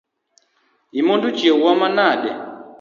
Imondo chiewo wa manade?